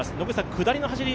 下りの走り